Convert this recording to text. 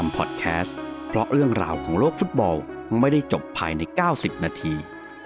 พอดแคสต์เพราะเรื่องราวของโลกฟุตบอลไม่ได้จบภายใน๙๐นาที